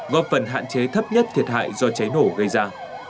góp phần hạn chế thấp nhất thiệt hại do cháy nổ gây ra